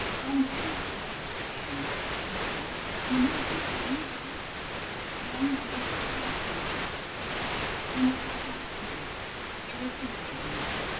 "Bumblebees never sting," said Lily; and Amelia believed her. When the foot path ended, there was the riverbank.